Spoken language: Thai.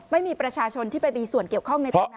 ไม่มีประชาชนที่ไปมีส่วนเกี่ยวข้องในตอนนี้